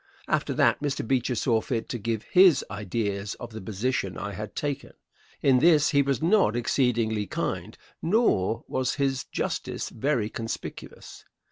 After that, Mr. Beecher saw fit to give his ideas of the position I had taken. In this he was not exceedingly kind, nor was his justice very conspicuous.